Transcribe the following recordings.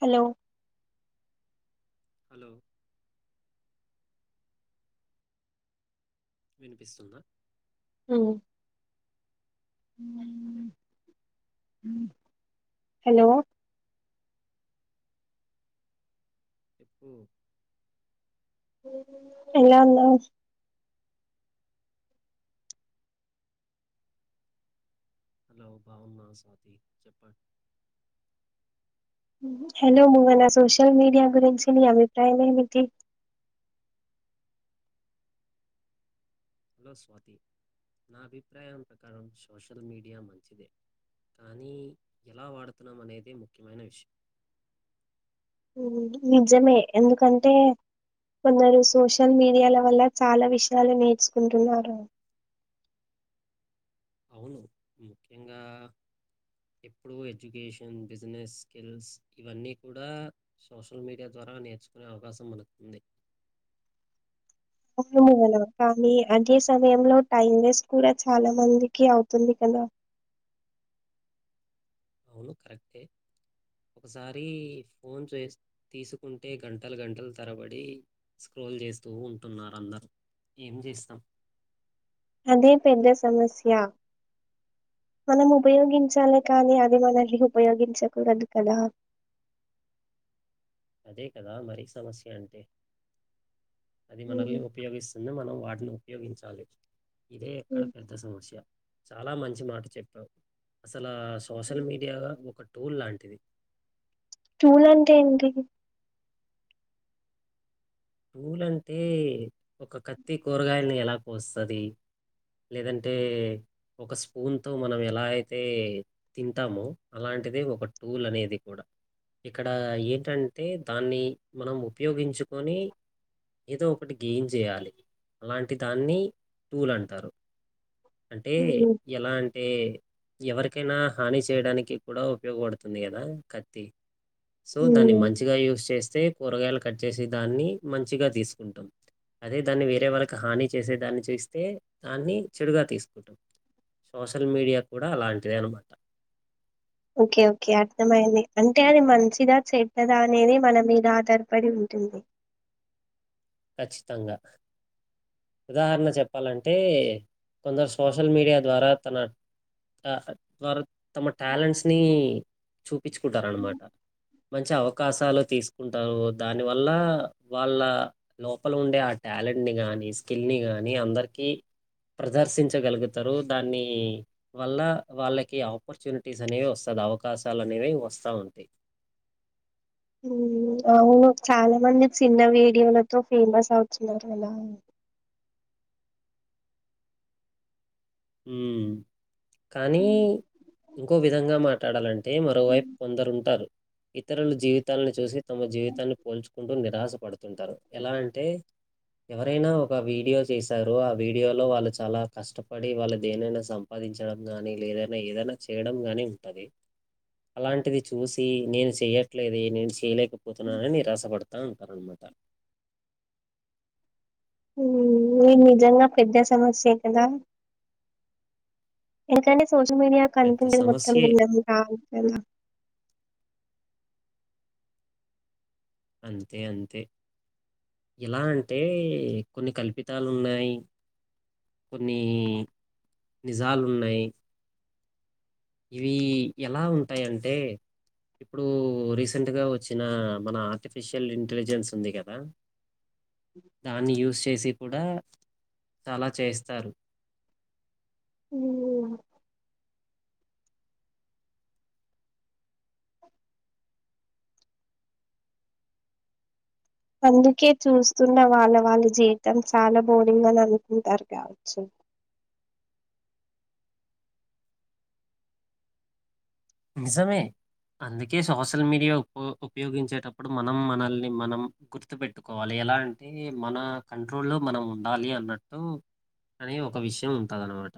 Hello hello వినిపిస్తుందా ఊ hello చెప్పు ఎలా ఉన్నావ్ హలో బాగున్నా స్వాతి చెప్పండి హలో నువల సోషల్ మీడియా గురించి నీ అభిప్రాయమ ఏమిటి హలో స్వాతి నా అభిప్రాయం ప్రకారం సోషల్ మీడియా మంచిదే కానీ ఎలా వాడుతున్నాం అనేదే ముఖ్యమైన విషయం ఊ నిజమే ఎందుకంటే కొందరు సోషల్ మీడియాాల వల్ల చాలా విషయాలు నేర్చుకుంటున్నారు అవును ముఖ్యంగా ఎప్పుడు ఎడ్యుకేషన్ బిజినెస్ స్కిల్స్ ఇవన్నీ కూడా సోషల్ మీడియా ద్వారా ఆ నేర్చుకునే అవకాశం మనకుంది అవును హలో కానీ అదే సమయంలో టైం వేస్ట్ కూడా చాలా మందికి అవుతుంది కదా అవును కరెక్టే ఒకసారి ఫోన్ చేస్ తీసుకుంటే గంటలు గంటలు తరబడి స్క్రో కాల్ చేస్తూ ఉంటున్నారు అందరు ఏం చేస్తాం అదే పెద్ద సమస్య మనం ఉపయోగించాలి కానీ అది మనల్ని ఉపయోగించకూడదు కదా అదే కదా మరి సమస్య అంటే అది మనల్ని ఉపయోగిస్తుంది మనం వాటిని ఉపయోగించాలి ఇదే ఎక్కడ పెద్ద సమస్య చాలా మంచి మాట చెప్పావు అసలు అలా సోషల్ మీడియా ఒక టూల్ లాంటిది చూలంటే ఏంటి టూల్ అంటే ఒక కత్తి కూరగాయని ఎలా కోస్తది లేదంటే ఒక స్పూన్ తో మనం ఎలా అయితే తింటామో అలాంటిది ఒక టూల్ అనేది కూడా ఇక్కడ ఏంటంటే దాన్ని మనం ఉపయోగించుకొని ఏదో ఒకటి గెయిన్ చేయాలి అలాంటి దాన్ని టూల్ అంటారు అంటే ఎలా అంటే ఎవరికైనా హాని చేయడానికి కూడా ఉపయోగపడుతుంది కదా కత్తి సో దాన్ని మంచిగా యూస్ చేస్తే కూరగాయలు కట్ చేసి దాన్ని మంచిగా తీసుకుంటాం అదే దాన్ని వేరే వాళకి హాని చేసే దాన్ని చేస్తే దాన్ని చెడుగా తీసుకుంటాం సోషల్ మీడియ కూడ అలాంటిదే అనమాట ఓకే ఓకే అర్థమయింది అంటే అది మంచిదా చెడ్డదా అనేది మన మీద ఆధారపడి ఉం ది కచ్చితంగ ఉదాహరణ చెప్పాలంటే కొందరు సోషల్ మీడియ ద్వారా తన వారు తమ టాలెంట్స్ ని చూపించుకుంటారనమాట మంచి అవకాశాలు తీసుకుంటారు దాని వల్ల వాళ్ళ లోపల ఉండే ఆ టాలెంట్ ని గానీ స్కిల్ ని గాని అందరికిీ ప్రదర్శించగలుగుతరు దాన్ని వల్ల వాళ్ళకి ఆపర్చునిటీస్ అనేవి వస్తా [unintelligible] అవకాశాలు అనేవి వస్తా ఉంటాయి అవును చాల మంది చిన్న వీడియోలతో ఫేమస్ అవుతున్నారు అల ఉ కానీ హ్మ్. ఇంకో విధంగ మాట్లాడాలం అంటే మరోవైపు కొందరుంటారు ఇతరుల జీవితాలను చూసి తమ జీవితాన్ని పోల్చుకుంటు [unintelligible] పడుతుంటారు ఎలా అంటే ఎవరైన ఒక వీడియో చేశారో ఆ వీడియోలో వాళ్ళు చాల కష్ట పడి వాళ్ళ దేనైన సంపాదించడం గానీ [unintelligible] ఏదైనా చేయడం గానీ ఉంటది అలాంటిది చూసి నేను చెయ్యట్లేదే నేను చేయలే పోతున్నానని నీరాశపడతా ఉంటారనామాట నిజంగా పెద్ద సమస్యే కదా ఎందుకంటే సోష్యల్ మీడియా పెద్ద కనుపింది మొత్తం సమస్యే. [unintelligible] అంతే అంతే ఎలా అంటే కొన్ని కల్పితాలు ఉన్నాయి కొన్ని నిజాలు ఉన్నాయి ఇవి ఎలా ఉంటాయంటే ఇప్పుడు రీసెంట్ గా వచ్చిన మన ఆర్టిఫిషియల్ ఇంటెలిజెన్స్ ఉంది కదా దాన్ని యూజ్ చేసి కూడ చాల చేస్తారు ఉ అందుకే చూస్తున్న వాళ్ళ వాళ్ళ జీవితం చాల [unintelligible] అని అనుకుంటారు కావచ్చు నిజమే అందుకే సోషల్ మీడియా ఉ ఉపయోగించేటప్పుడు మనం మనల్ని మనం గుర్తు పెట్టుకోవాలి ఎలా అంటే మన కంట్రోల్లో మనం ఉండాలి అన్నట్టు అనీ ఒక విషయం ఉంటదన్నమాట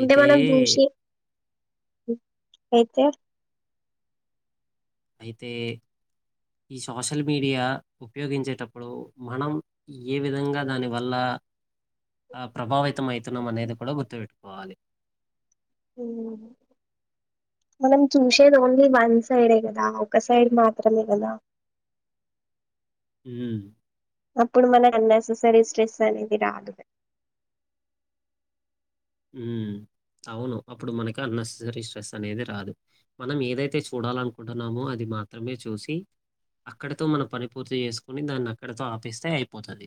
అంటే మనం చూసి [unintelligible] అయితే ఈ సోషల్ మీడియా ఉపయోగించేటప్పుడు మనం ఏ విధంగా దాని వల్ల ఆ ప్రభావితం అవుతున్నాం అనేది కూడ గుర్తుపెట్టుకోవాలి ఉ మనం చూసేది ఓన్లీ వన్ సైడే కదా ఒక సైడ్ మాత్రమే కదా హు అప్పుడు మన అన్నెససరీ స్ట్రెస్ అనేది రాదు ఉ అవును అప్పుడు మనకి అన్నెసెసరీ స్ట్రెస్ అనేది రాదు మనం ఏదైతే చూడాలనుకుంటున్నామో అది మాత్రమే చూసి అక్కడితో మన పని పూర్తి చేసుకుని దాన్ని అక్కడతో ఆపేస్తే అయిపోతుంది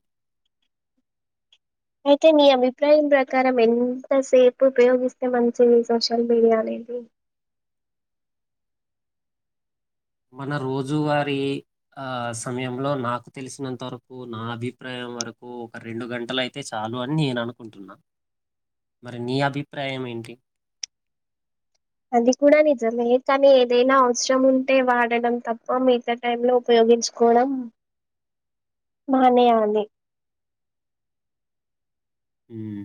అయితే నీ అభిప్రాయం ప్రకారం ఎంతసేపు ఉపయోగిస్తే మంచిది సోషల్ మీడియాని ఇ మన రోజువారి ఆ సమయంలో నాకు తెలిసినంత వరకు నా అభిప్రా వరకు ఒక రెండు గంటల అయితే చాలు అని నేను అనుకుంటున్నా మరి నీ అభిప్రాయం ఏంటి? అది కూడా నిజమే కానీ ఏదైనా అవసరం ఉంటే వాడడం తప్ప మిగతా టైమ్ లో ఉపయోగ గెలుచుకోవడం మానే ఆనే మ్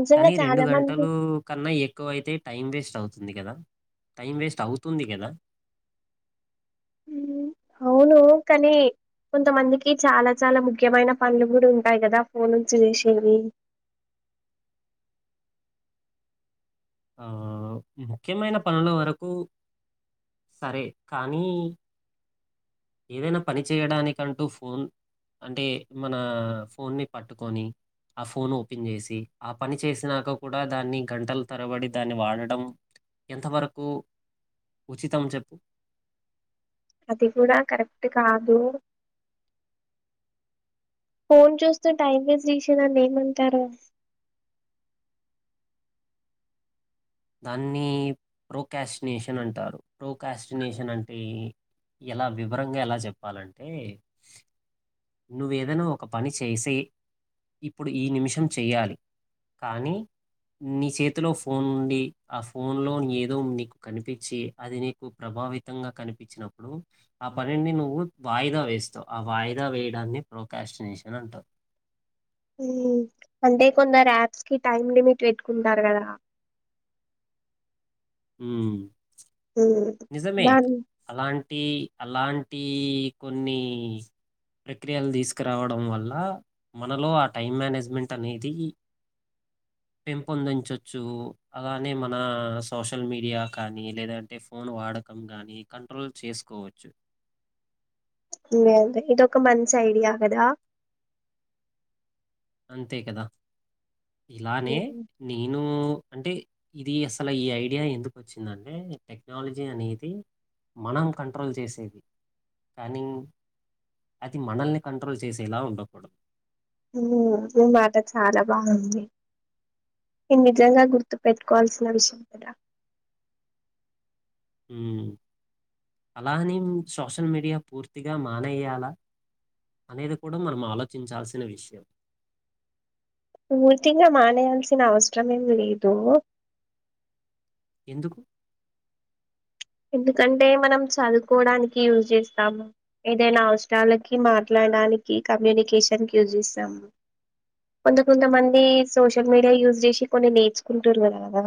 నిజంగా కానీ రెండు చాలా మంది గంటలు కన్నా ఎక్కువ అయితే టైం వేస్ట్ అవుతు ఉంది కదా టైం వేస్ట్ అవుతుంది కదా. ఉమ్, అవును కనీ కొంతమందికి చాలా చాలా ముఖ్యమైన పనులు కూడా ఉంటాయి. కదా ఫోన్ నుంచి ఏషేవి ఆ ముఖ్యమైన పనుల వరకు సరే కానీ ఏదైనా పని చేయడానికంటూ ఫోన్ అంటే మన ఫోన్ ని పట్టుకొని ఆ ఫోన్ ఓపెన్ చేసి ఆ పని చేసినాక కూడా దాన్ని గంటల తరబడి దాన్ని వాడడం ఎంతవరకు ఉచితం చెప్పు అది కూడా కరెక్ట్ కాదు. ఫోన్ చూస్తూ టైం వేస్ట్ జెసేదాన్ని ఏమంటారు. దాన్ని ప్రోకాస్టినేషన్ అంటారు. ప్రోకాస్టినేషన్ అంటే ఎలా వివరంగా ఎలా చెప్పాలంటే నువ్వేదైనా ఒక పని చేసే ఇప్పుడు ఈ నిమిషం చెయ్యాలి. కానీ నీ చేతిలో ఫోన్ ఉండి ఆ ఫోన్ లో ఏదో నీకు కనిపించి అది నీకు ప్రభా ప్రభావితంగా కనిపించినప్పుడు ఆ పనిని నువ్వు వాయిదా వేస్తావు ఆ వాయి ఇరా వేయడాన్ని ప్రోకాస్టినేషన్ అంటారు. ఉమ్ అంటే కొందరు ఆప్స్ కి టైమ్ లిమిట్ పెట్టుకుంటారు కదా ఉమ్ నిజమే దాన్ అలాంటి అలాంటి కొన్ని ప్రక్రియలు తీసుకురావడం వల్ల మనలో ఆ టైం మేనేజ్మెంట్ అనేది పెంపొందించచ్చు అలానే మన సోషల్ మీడియా కానీ లేదంటే ఫోన్ వాడకం కానీ కంట్రోల్ చేసుకోవచ్చు. లే అంతే ఇది ఒక మంచి ఐడియా కదా! అంతే కదా ఇలానే ఉమ్ నేను అంటే ఇది అసలు ఈ ఐడియా ఎందుకు వచ్చిందంటే టెక్నాలజీ అనేది మనం కంట్రోల్ చేసేది కానీ అది మనల్ని కంట్రోల్ చేసేలా ఉండకూడదు ఉమ్ ఈ మాట చాలా బాగుంది. ఇది నిజంగా గుర్తుపెట్టుకోవాల్సిన విషయం కదా ఉమ్ అలా ఏనీం సోషల్ మీడియా పూర్తిగా మానేయాలా? అనేది కూడా మనం ఆలోచించాల్సిన విషయం పూర్తిగా మానేయాల్సిన అవసరం ఏమిమి లేదు. ఎందుకు? ఎందుకంటే మనం చదువుకోవడానికి యూజ్ చేస్తాము. ఏదైనా అవసరాలకి మాట్లా ట్లాడానికి కమ్యూనికేషన్ కి యూజ్ చేస్తాము. కొంత కొంతమంది సోషల్ మీడియా యూజ్ చేసి కొన్ని నేర్చుకుంటురు కదా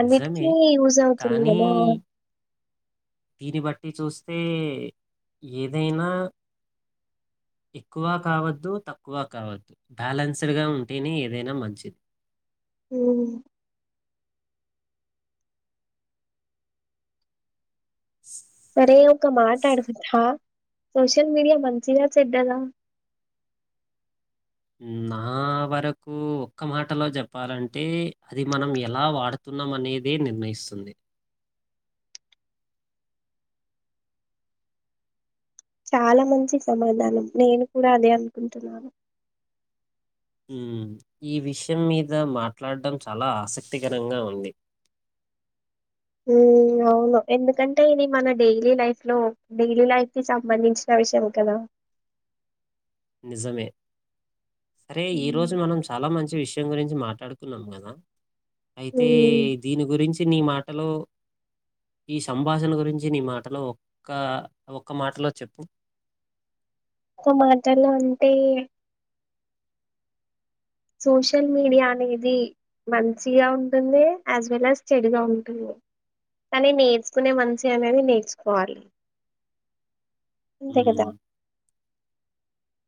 అన్నిటికీ నిజమే యూజ్ అవుతుంది కానీ కదా దీన్ని బట్టి చూస్ అంటే ఏదైనా ఎక్కువ కావద్దు తక్కువ కావద్దు బ్యాలెన్స్డ్ గా ఉంటేనే ఏదైనా మంచిది ఉహూ స్ అరే ఒక ఒక మాట అడుగుతా సోషల్ మీడియా మంచిదా చెడ్డదా నా వరకు ఒక్క మాటలో చెప్పాలంటే అది మనం ఎలా వాడుతున్నాం అని నేదే నిర్ణయిస్తుంది చాలా మంచి సమాధానం నేను కూడా అదే అనుకుంటున్నాను ఉమ్ ఈ విషయం మీద మాట్లాడడం చాలా ఆసక్తికరంగా ఉంది ఉమ్ అవును ఎందుకంటే ఇది మన డైలీ లైఫ్ లో డైలీ లైఫ్ కి సంబంధించిన విషయం కదా నిజమే సరే ఈ హ్మ్ రోజు మనం చాలా మంచి విషయం గురించి మాట్లాడుకున్నాం కదా అయితే దీని గురించి నీ మాటలో ఈ సంభాషణ గురించి నీ మాటలో ఒక్క ఒక్క మాటలో చెప్పు ఒక్క మాటలో అంటే సోషల్ మీడియా అనేది మంచిగా ఉంటుంది యాజ్ వెల్ యాజ్ చెడుగా ఉంటుంది కానీ నేర్చుకునే మంచి అనేది నేర్చుకోవాలి అంతే కదా ఉమ్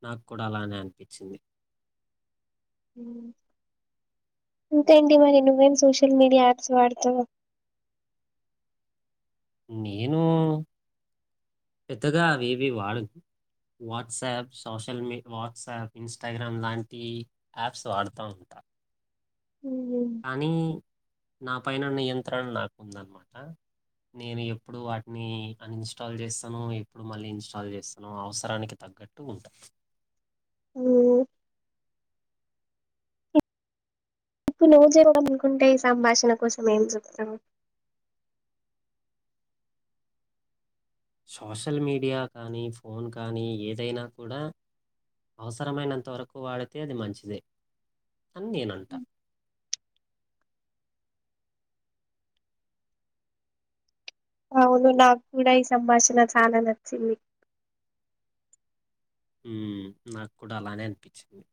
నాకు కూడా అలానే అనిపించింది ఉమ్ ఇంకేంటి మరి నువ్ ఏం సోషల్ మీడియా యాప్స్ వాడతావు నేను పెద్దగా అవేవి వాడను వాట్సాప్ సోషల్ మీ వాట్సాప్ ఇన్స్టాగ్రామ్ లాంటి యాప్స్ వాడుతా ఉంటా అ మ్మ్. కానీ నా పైన నియంత్రణ నాకుందన్నమాట నేను ఎప్పుడు వాటిని అన్ ఇన్స్టాల్ చేస్తానో ఎప్పుడు మళ్ళీ ఇన్స్టాల్ చేస్తానో అవసరానికి తగ గ్గట్టు ఉంట ఉమ్ ఇప్పుడు నువ్వు చేయడం అనుకుంటే ఈ సంభాషణ కోసం ఏం చెప్తావు సోషల్ మీడియా కానీ ఫోన్ కానీ ఏదైనా కూడా అవసరమైనంత వరకు వాడితే అది మంచిదే అని నేనంట అవును నాకు కూడా ఈ సంభాషణ చాలా నచ్చింది ఉమ్ నాకు కూడా అలానే అనిపించింది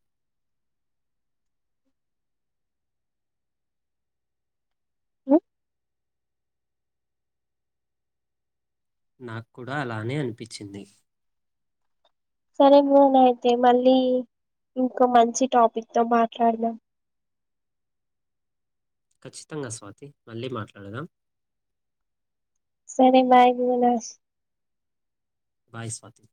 నాకు కూడా అలానే అనిపించింది సరే మూన్ అయితే మళ్ళీ ఇంకో మంచి టాపిక్ తో మాట్లాడుదాం ఖచ్చితంగా స్వాతి మళ్ళీ మాట్లాడదాం సరే బాయ్ [unintelligible] బాయ్ స్వాతి